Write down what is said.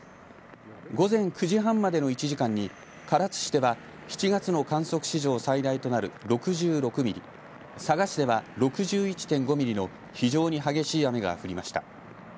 午前９時半までの１時間に唐津市では７月の観測史上最大となる６６ミリ、佐賀市では６１．５ミリの非常に激しい雨が降りました。